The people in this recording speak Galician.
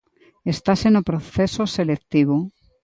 Estase no proceso selectivo.